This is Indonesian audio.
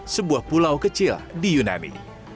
sebuah pulau kecil di yunani